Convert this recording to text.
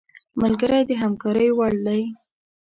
ملګری د همکارۍ وړ دی